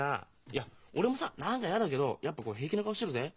いや俺もさ何か嫌だけどやっぱ平気な顔してるぜ。